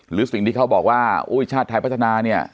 หรือสิ่งที่เขาบอกว่าอุ้ยชาติไทยพัฒนาเนี่ย